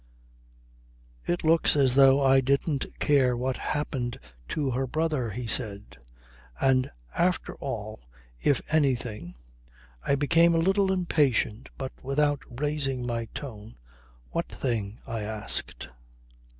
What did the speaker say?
"It looks as though I didn't care what happened to her brother," he said. "And after all if anything ..." I became a little impatient but without raising my tone: "What thing?" I asked.